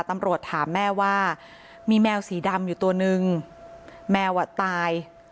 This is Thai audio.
ตำรวจถามแม่ว่ามีแมวสีดำอยู่ตัวนึงแมวอ่ะตาย